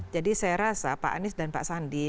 jadi saya rasa pak anies dan pak sandi